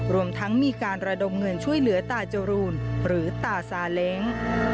รวมทั้งมีการระดมเงินช่วยเหลือตาจรูนหรือตาซาเล้ง